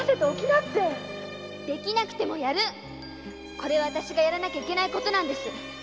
これは私がやらなきゃいけない事です。